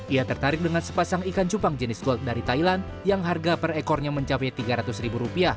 ia tertarik dengan sepasang ikan cupang jenis gold dari thailand yang harga per ekornya mencapai rp tiga ratus